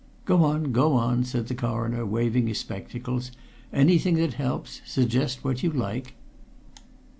"Go on, go on!" said the Coroner, waving his spectacles. "Anything that helps suggest whatever you like."